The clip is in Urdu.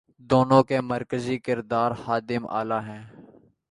دونوں کے مرکزی کردار خادم اعلی ہیں۔